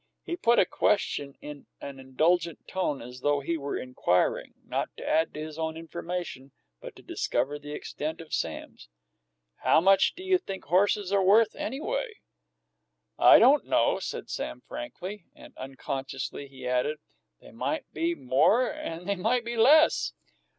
He put a question in an indulgent tone, as though he were inquiring, not to add to his own information but to discover the extent of Sam's. "How much do you think horses are worth, anyway?" "I don't know," said Sam frankly, and, unconsciously, he added, "They might be more and they might be less."